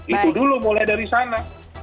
itu dulu mulai dari sana